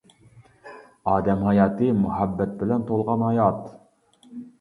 ئادەم ھاياتى مۇھەببەت بىلەن تولغان ھايات.